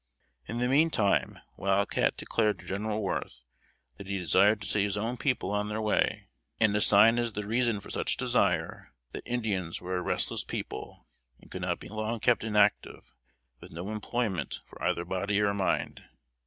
In the meantime, Wild Cat declared to General Worth that he desired to see his own people on their way; and assigned as the reason for such desire, that Indians were a restless people, and could not be long kept inactive, with no employment for either body or mind.